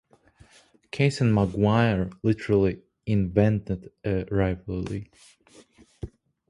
Case and McGuire literally "invented" a rivalry.